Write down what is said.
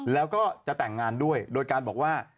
แล้วก็จะแต่งงานด้วยโดยการบอกว่า